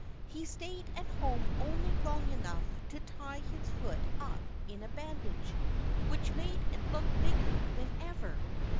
He stayed at home only long enough to tie his foot up in a bandage, which made it look bigger than ever.